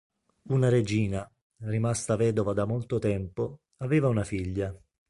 Una regina, rimasta vedova da molto tempo, aveva una figlia.